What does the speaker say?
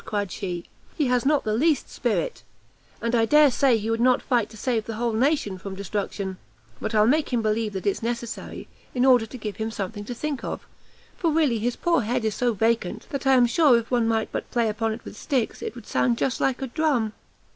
cried she; "he has not the least spirit, and I dare say he would not fight to save the whole nation from destruction; but I'll make him believe that it's necessary, in order to give him something to think of, for really his poor head is so vacant, that I am sure if one might but play upon it with sticks, it would sound just like a drum."